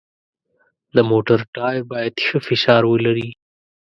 د موټر ټایر باید ښه فشار ولري.